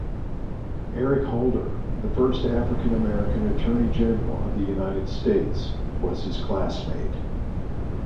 Eric Holder, the first African-American Attorney General of the United States, was his classmate.